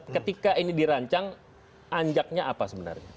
ketika ini dirancang anjaknya apa sebenarnya